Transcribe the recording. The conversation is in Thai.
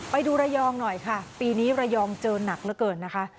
ไปดูระยองหน่อยค่ะปีนี้ระยองเจอหนักเหลือเกินนะคะ